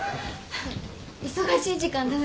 忙しい時間だね。